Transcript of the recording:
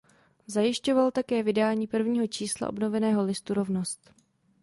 Zajišťoval také vydání prvního čísla obnoveného listu "Rovnost".